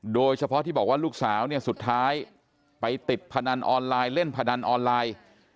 โดยเฉพาะที่บอกว่าลูกสาวเนี่ยสุดท้ายไปติดพนันออนไลน์เล่นพนันออนไลน์